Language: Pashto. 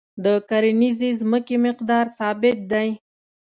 د کرنیزې ځمکې مقدار ثابت دی.